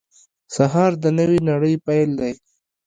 سهار د نوې نړۍ پیل دی.